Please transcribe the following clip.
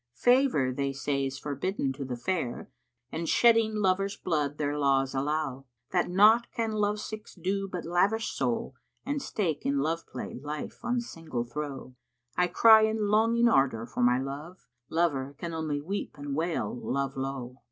Favour they say's forbidden to the fair * And shedding lovers' blood their laws allow; That naught can love sicks do but lavish soul, * And stake in love play life on single throw:[FN#62] I cry in longing ardour for my love: * Lover can only weep and wail Love lowe."